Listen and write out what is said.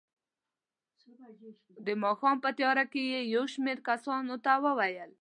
د ماښام په تیاره کې یې یو شمېر کسانو ته وویل.